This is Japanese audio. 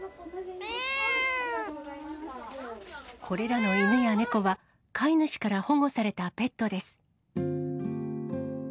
これらの犬や猫は、飼い主から保護されたペットです。